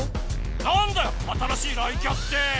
なんだよ新しい雷キャって！